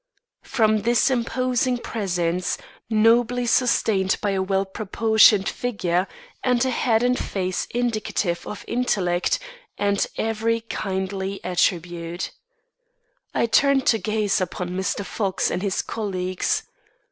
From this imposing presence, nobly sustained by a well proportioned figure and a head and face indicative of intellect and every kindly attribute, I turned to gaze upon Mr. Fox and his colleagues.